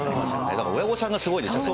だから親御さんがすごいですよね。